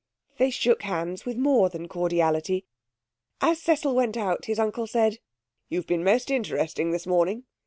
They shook hands with more than cordiality. As Cecil went out his uncle said 'You've been most interesting this morning.